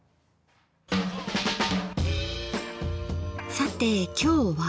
さて今日は？